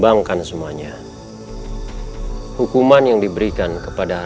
akan semedidipuri istana